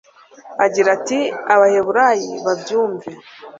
agira ati abahebureyi babyumve